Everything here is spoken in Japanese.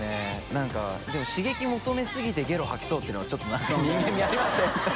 覆鵑でも刺激求めすぎてゲロ吐きそうっていうのが舛腓辰なんか人間味ありましたよね